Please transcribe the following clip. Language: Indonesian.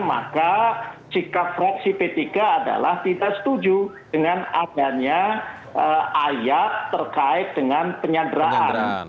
maka sikap fraksi p tiga adalah tidak setuju dengan adanya ayat terkait dengan penyanderaan